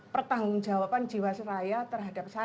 pertanggungjawaban jiwasraya terhadap